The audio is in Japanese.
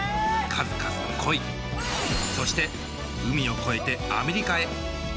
数々の恋そして海を越えてアメリカへ。